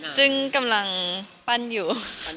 ซึ่งกำลังปั้นอยู่